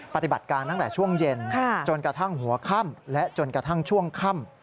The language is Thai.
ปฏิบัติการตั้งแต่ช่วงเย็นจนกระทั่งหัวค่ำและจนกระทั่งช่วงค่ำ